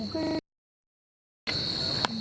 ขอบคุณครับ